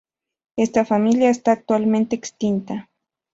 Esta familia está actualmente extinta.